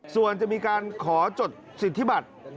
ส่วนจะมีการขอจดสิทธิบัติ